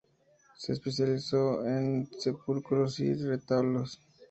Se especializó en sepulcros y retablos.